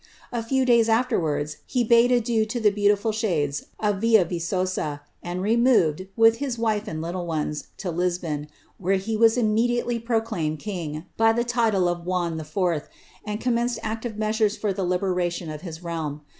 A fbw days aflerwards, he bade iQ to the peaceful shades of Villa Vi^osa, and removed, with his wife little ones, to Lisbon, where he was immediately proclaimed king, the title of Juan IV., and commenced active measures for the libera i of his realm.